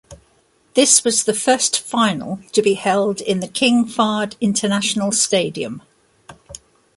This was the first final to be held in the King Fahd International Stadium.